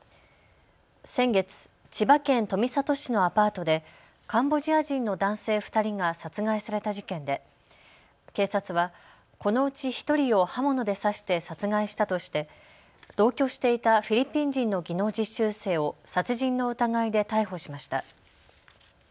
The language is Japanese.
先月、千葉県富里市のアパートでカンボジア人の男性２人が殺害された事件で警察はこのうち１人を刃物で刺して殺害したとして同居していたフィリピン人の技能実習生を殺人の疑いで逮捕しました。